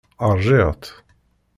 Ṛjiɣ-tt.